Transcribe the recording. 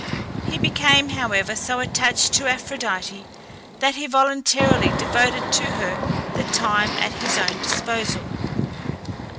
He became, however, so attached to Aphrodite that he voluntarily devoted to her the time at his own disposal.